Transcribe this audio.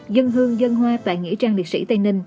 dân hương dân hoa tại nghĩa trang liệt sĩ tây ninh